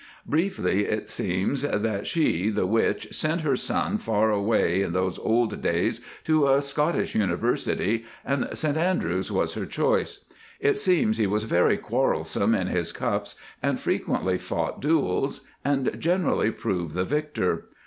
Briefly, it seems that she (the witch) sent her son far away in those old days to a Scottish University, and St Andrews was her choice. It seems he was very quarrelsome in his cups, and frequently fought duels, and generally proved the victor.